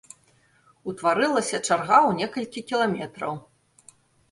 Утварылася чарга ў некалькі кіламетраў.